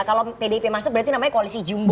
kalau pdip masuk berarti namanya koalisi jumbo